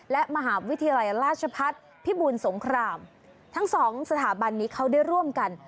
และมหาวิทยาลัยราชพัฒน์พิบูลสงครามทั้งสองสถาบันนี้เขาได้ร่วมกัน